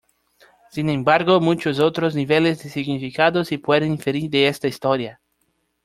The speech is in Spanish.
Sin embargo, muchos otros niveles de significado se pueden inferir de esta historia.